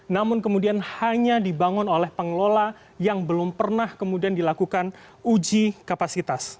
namun kemudian hanya dibangun oleh pengelola yang belum pernah kemudian dilakukan uji kapasitas